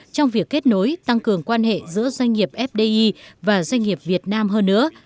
trong việc kết nối tăng cường quan hệ giữa doanh nghiệp fdi và doanh nghiệp việt nam hơn nữa